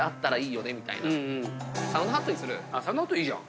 サウナハットいいじゃん。